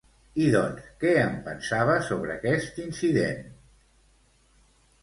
I doncs, què en pensava sobre aquest incident?